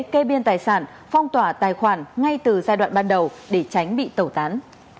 kê biên tài sản phong tỏa tài khoản ngay từ giai đoạn ban đầu để tránh bị tẩu tán